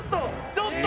ちょっと！